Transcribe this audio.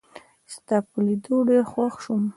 ستا په لیدو ډېر خوښ شوم